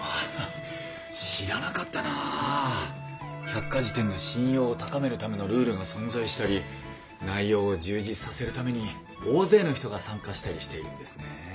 百科事典の信用を高めるためのルールが存在したり内容を充実させるために大勢の人が参加したりしているんですね。